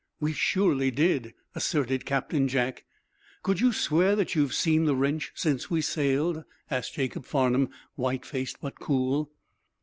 "We surely did," asserted Captain Jack. "Could you swear that you have seen the wrench since we sailed?" asked Jacob Farnum, white faced but cool.